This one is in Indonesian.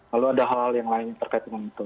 lalu ada hal hal yang lain terkait dengan itu